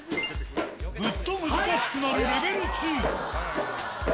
ぐっと難しくなるレベル２。